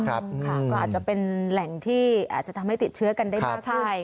ก็อาจจะเป็นแหล่งที่อาจจะทำให้ติดเชื้อกันได้มากขึ้น